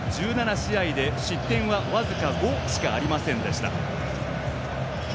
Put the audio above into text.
１７試合で失点は僅か５しかありませんでした。